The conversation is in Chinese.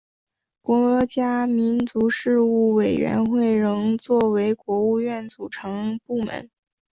国家民族事务委员会仍作为国务院组成部门。